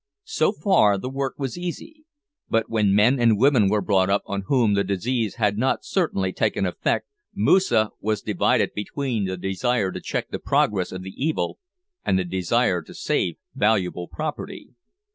So far the work was easy, but when men and women were brought up on whom the disease had not certainly taken effect, Moosa was divided between the desire to check the progress of the evil, and the desire to save valuable property.